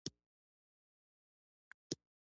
وزې ډارېدونکې نه وي